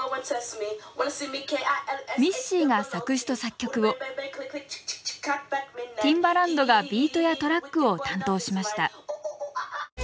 ミッシーが作詞と作曲をティンバランドがビートやトラックを担当しました。